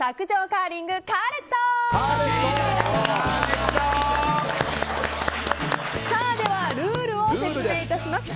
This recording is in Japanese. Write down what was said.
カーレット！ルールを説明いたします。